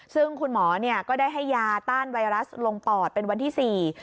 ซึ่งคุณหมอเนี่ยก็ได้ให้ยาต้านไวรัสลงปอดเป็นวันที่สี่